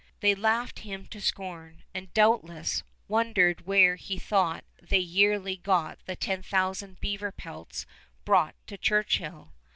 They laughed him to scorn, and doubtless wondered where he thought they yearly got the ten thousand beaver pelts brought to Churchill.